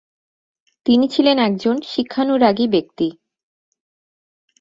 তিনি ছিলেন একজন শিক্ষানুরাগী ব্যক্তি।